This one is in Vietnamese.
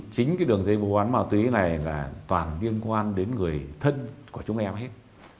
chính cái đường dây vô án màu tí này là toàn liên quan đến người thân của chúng em hết